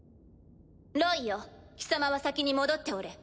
ロイよ貴様は先に戻っておれ。